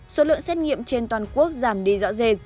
số lượng xét nghiệm trên toàn quốc giảm đi rõ rệt